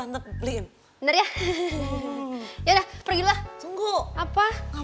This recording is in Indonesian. ian mau pergi pergian mulu ah